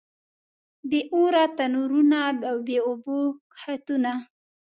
بې اوره تنورونه او بې اوبو کښتونه.